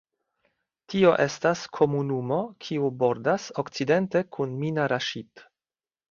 Tiu estas komunumo kiu bordas okcidente kun Mina Raŝid.